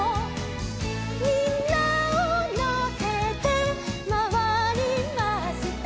「みんなをのせてまわりました」